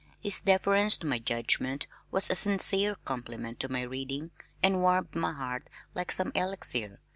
His deference to my judgment was a sincere compliment to my reading and warmed my heart like some elixir.